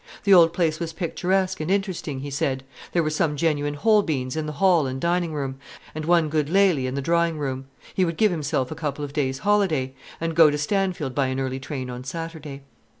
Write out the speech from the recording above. The old place was picturesque and interesting, he said; there were some genuine Holbeins in the hall and dining room, and one good Lely in the drawing room. He would give himself a couple of days' holiday, and go to Stanfield by an early train on Saturday.